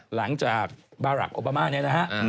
หลังจากบารักษ์โอบามาเนี่ยนะฮะ